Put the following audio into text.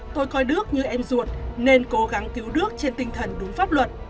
tôi coi đức như em ruột nên cố gắng cứu đức trên tinh thần đúng pháp luật